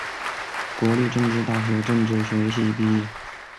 国立政治大学政治学系毕业。